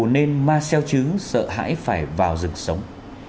nên marcel chứ sợ hãi phải vào rừng sống